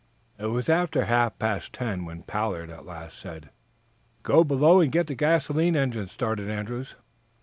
It was after half past ten when Pollard at last said: "Go below and get the gasoline engines started, Andrews."